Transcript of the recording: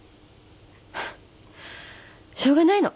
しょうがないの。